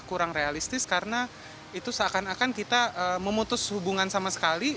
kurang realistis karena itu seakan akan kita memutus hubungan sama sekali